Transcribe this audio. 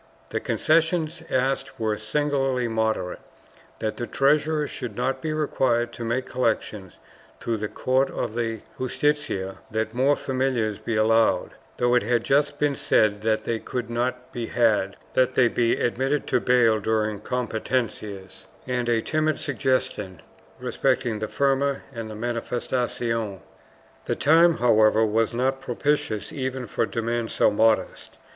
The concessions asked for were singularly moderate — that the treasurer should not be required to make collections through the court of the Justicia, that more familiars be allowed — though it had just been said that they could not be had — that they be admitted to bail during competencias, and a timid suggestion respecting the firma and mariifestacion. The time, however, was not propitious even for demands so modest.